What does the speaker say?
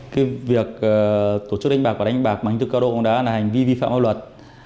cái việc tổ chức đánh bạc và đánh bạc bằng hình thức cao độ ống đá là hành vi vi phạm báo luật